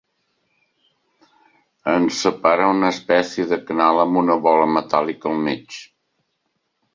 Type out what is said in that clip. Ens separa una espècie de canal amb una bola metàl·lica al mig.